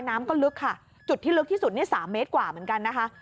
น้ำก็ลึกค่ะจุดที่ลึกที่สุดเนี่ย๓เมตรกว่าเหมือนกันนะคะ